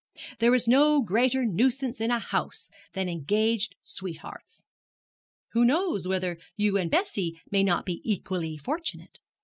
There is no greater nuisance in a house than engaged sweethearts. Who knows whether you and Bessie may not be equally fortunate?'